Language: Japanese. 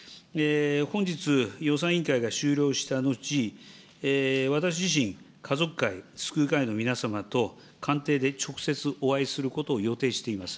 本日、予算委員会が終了した後、私自身、家族会・救う会の皆様と官邸で直接お会いすることを予定しています。